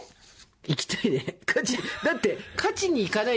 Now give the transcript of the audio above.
行きたいね。